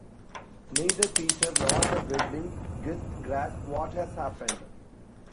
Neither Peter nor the wedding guests grasp what has happened.